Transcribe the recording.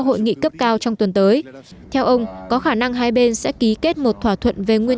hội nghị cấp cao trong tuần tới theo ông có khả năng hai bên sẽ ký kết một thỏa thuận về nguyên